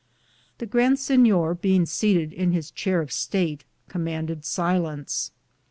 The Grand Sinyor, beinge seated in his Chaire of estate, commanded silence.